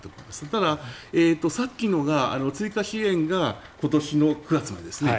ただ、さっきの追加支援が今年の９月までですね。